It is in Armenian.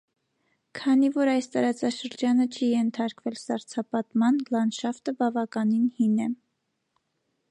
Քանի որ այս տարածաշրջանը չի ենթարկվել սառցապատման, լանդշաֆտը բավականին հին է։